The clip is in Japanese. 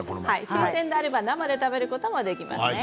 新鮮であれば生で食べることができますね。